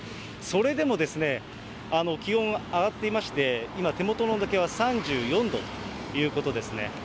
それでも気温上がっていまして、今、手元の温度計は３４度ということですね。